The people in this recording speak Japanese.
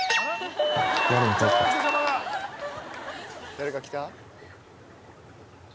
誰か来た？